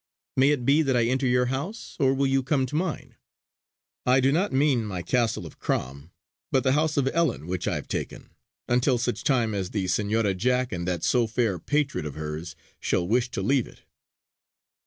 May it be that I enter your house; or will you come to mine? I do not mean my castle of Crom, but the house at Ellon which I have taken, until such time as the Senora Jack and that so fair patriot of hers shall wish to leave it."